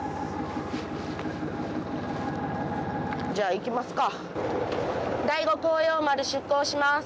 じゃあ行きますか。